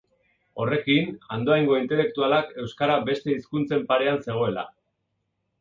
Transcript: Horrekin, Andoaingo intelektualak euskara beste hizkuntzen parean zegoela.